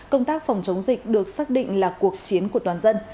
công tác phòng chống dịch được xác định là cuộc chiến của toàn dân